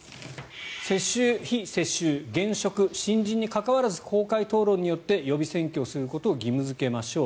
世襲、非世襲現職、新人に関わらず公開討論によって予備選挙をすることを義務付けましょう。